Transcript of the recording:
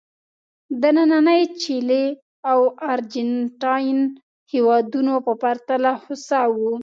د نننۍ چیلي او ارجنټاین هېوادونو په پرتله هوسا وو.